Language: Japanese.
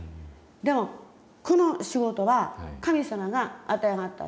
でもこの仕事は神様が与えはった仕事。